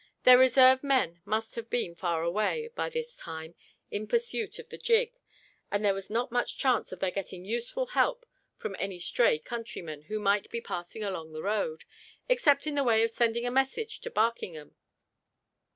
Their reserve men must have been far away, by this time, in pursuit of the gig; and there was not much chance of their getting useful help from any stray countryman who might be passing along the road, except in the way of sending a message to Barkingham.